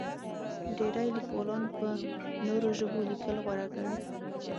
ډېری لیکوالان په نورو ژبو لیکل غوره ګڼي.